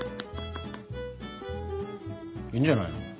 いいんじゃないの。